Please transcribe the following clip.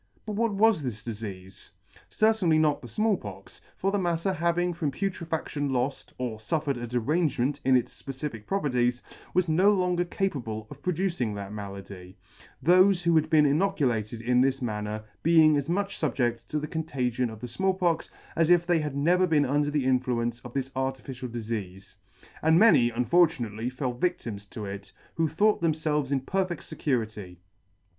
But what was this difeafe ? Certainly not the Small Pox ; for the matter having from putrefadion lofl, or buffered a derangement in its fpeciflc properties, was no longer capable of producing that malady, H 2 thofe [ 52 ] thofe who had been inoculated in this manner being as much fubjeCt to the contagion of the Small Pox, as if they had never been under the influence of this artificial difeafe ; and many, unfortunately, fell victims to it, who thought thernfelves in per fect fecurity.